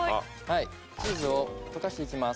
チーズを溶かしていきます。